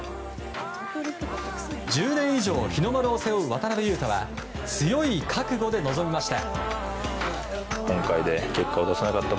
１０年以上、日の丸を背負う渡邊雄太は強い覚悟で臨みました。